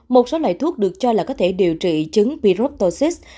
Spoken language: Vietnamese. một số loại thuốc được cho là có thể điều trị chứng pyroptosis